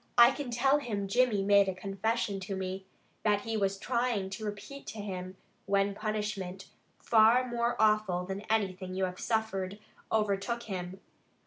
I can tell him Jimmy made a confession to me, that he was trying to repeat to him, when punishment, far more awful than anything you have suffered, overtook him.